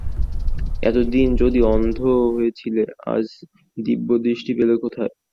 এতদিন যদি অন্ধ হয়ে ছিলে, আজ দিব্যদৃষ্টি পেলে কোথায়?